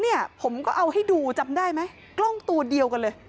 เนี่ยผมก็เอาให้ดูจำได้ไหมกล้องตัวเดียวกันเลย